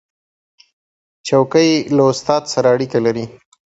چوکۍ له استاد سره اړیکه لري.